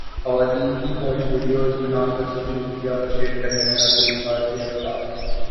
خواتین کی فحش ویڈیوز بناکر سوشل میڈیا پرشیئر کرنے والا گلوکار گرفتار